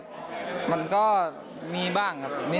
เพลงคู่มันต้องเข้าใจถึงแบบฝันมาก